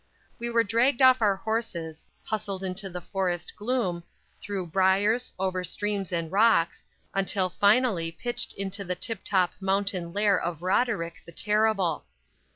We were dragged off our horses, hustled into the forest gloom, through briars, over streams and rocks, until finally pitched into the tiptop mountain lair of Roderick, the Terrible.